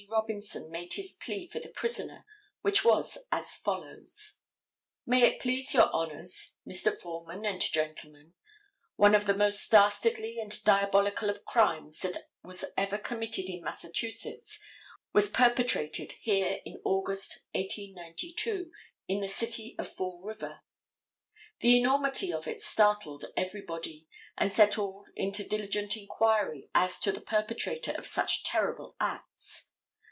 Robinson made his plea for the prisoner which was as follows: May it Please Your Honors, Mr. Foreman and Gentlemen—One of the most dastardly and diabolical of crimes that was ever committed in Massachusetts was perpetrated in August, 1892, in the city of Fall River. The enormity of it startled everybody, and set all into diligent inquiry as to the perpetrator of such terrible acts.